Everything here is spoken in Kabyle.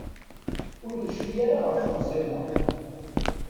Ur necfi ara ɣef temẓi-nneɣ.